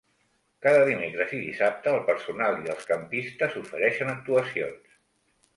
Cada dimecres i dissabte el personal i els campistes ofereixen actuacions.